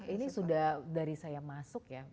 ini sudah dari saya masuk ya